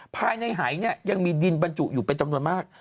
ภายในไหยังมีดินบรรจุอยู่เป็นจำนวนมาก